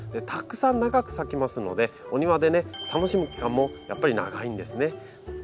たくさん長く咲きますのでお庭でね楽しむ期間もやっぱり長いんですね。